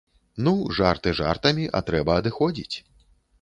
Ну, жарты жартамі, а трэба адыходзіць.